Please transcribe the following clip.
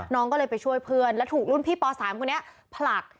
น้องก็เลยไปช่วยเพื่อนแล้วถูกรุ่นพี่ป๓คนนี้ผลัก